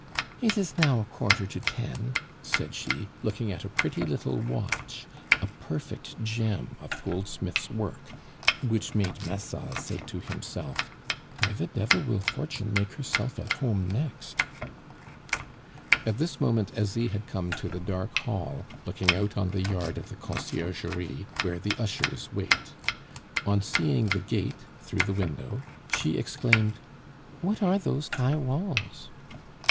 "It is now a quarter to ten," said she, looking at a pretty little watch, a perfect gem of goldsmith's work, which made Massol say to himself: "Where the devil will Fortune make herself at home next!" At this moment Asie had come to the dark hall looking out on the yard of the Conciergerie, where the ushers wait. On seeing the gate through the window, she exclaimed: "What are those high walls?"